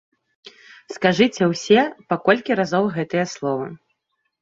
Скажыце ўсе па колькі разоў гэтыя словы.